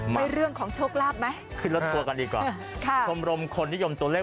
ไปเรื่องของโชคลาภไหมขึ้นรถทัวร์กันดีกว่าค่ะชมรมคนนิยมตัวเลข